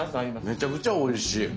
めちゃくちゃおいしい！